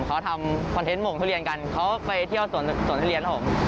เขาทำคอนเทนต์หม่งทุเรียนกันเขาไปเที่ยวสวนทุเรียนครับผม